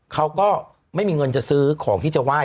เขาก็ไม่มีเงินจะซื้อของที่จะไห้